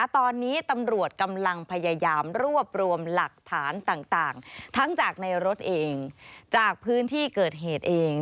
ตอนนี้ตำรวจกำลังพยายามรวบรวมหลักฐานต่างทั้งจากในรถเองจากพื้นที่เกิดเหตุเอง